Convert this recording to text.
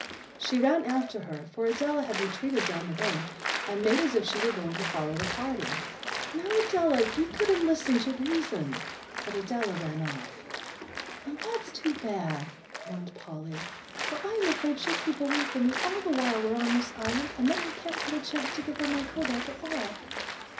She ran after her, for Adela had retreated down the bank, and made as if she were going to follow the party. "Now, Adela, be good and listen to reason." But Adela ran off. "Now that's too bad," mourned Polly, "for I'm afraid she'll keep away from me all the while we're on this island, and then I can't get a chance to give her my kodak at all."